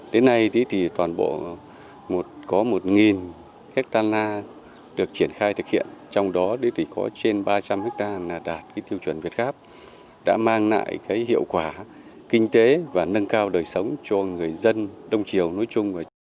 đến nay thì toàn bộ có một hectare na được triển khai thực hiện trong đó thì có trên ba trăm linh hectare đạt tiêu chuẩn việt gáp đã mang lại hiệu quả kinh tế và nâng cao đời sống cho người dân đông triều nói chung